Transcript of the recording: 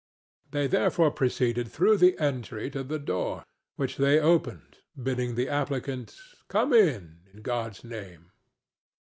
They therefore proceeded through the entry to the door, which they opened, bidding the applicant "Come in, in God's name!"